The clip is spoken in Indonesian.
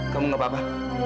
kamu gak apa apa